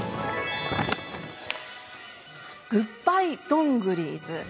「グッバイ、ドン・グリーズ！」。